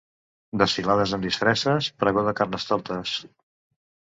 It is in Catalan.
Desfilades amb disfresses, pregó de Carnestoltes.